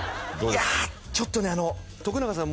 いやちょっとねあの永さん